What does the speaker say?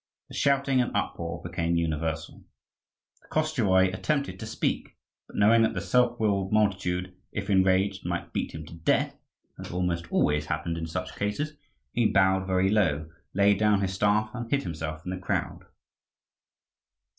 The shouting and uproar became universal. The Koschevoi attempted to speak; but knowing that the self willed multitude, if enraged, might beat him to death, as almost always happened in such cases, he bowed very low, laid down his staff, and hid himself in the crowd.